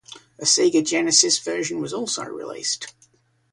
A Sega Genesis version was also released.